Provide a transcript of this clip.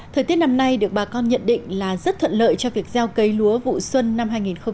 thời tiết năm nay được bà con nhận định là rất thuận lợi cho việc gieo cấy lúa vụ xuân năm hai nghìn hai mươi